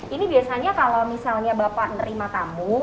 ini biasanya kalau misalnya bapak nerima tamu